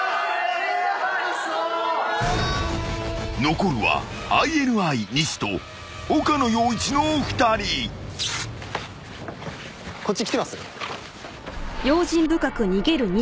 ［残るはＩＮＩ西と岡野陽一の２人］こっち来てます。